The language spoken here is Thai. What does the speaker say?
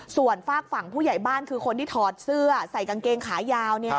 ส่วนฝากฝั่งผู้ใหญ่บ้านคือคนที่ถอดเสื้อใส่กางเกงขายาว